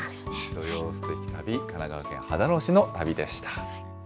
土曜すてき旅、神奈川県秦野市の旅でした。